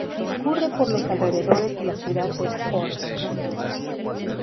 Discurre por los alrededores de la ciudad de Horsens.